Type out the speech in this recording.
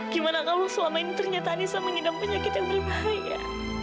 gimana kalau selama ini ternyata anissa mengidap penyakit yang berbahaya